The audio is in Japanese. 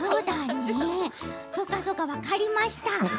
そうかそうか、分かりました。